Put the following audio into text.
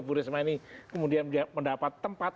bu risma ini kemudian mendapat tempat